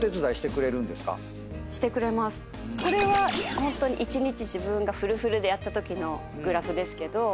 これはホントに一日自分がフルフルでやったときのグラフですけど。